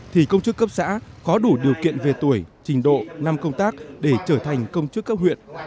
thì công chức cấp xã có đủ điều kiện về tuổi trình độ năm công tác để trở thành công chức cấp huyện